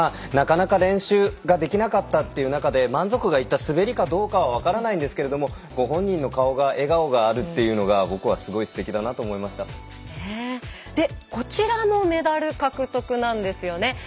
なかなか練習ができなかったという中で満足がいった滑りかどうかは分からないんですけどご本人の顔が笑顔があるというのが僕はすごいすてきだなとこちらもメダル獲得なんですよね。